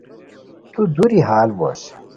تو دوری ہال بوس